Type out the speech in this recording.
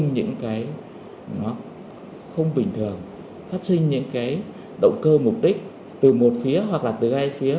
phát sinh những cái không bình thường phát sinh những cái động cơ mục đích từ một phía hoặc là từ hai phía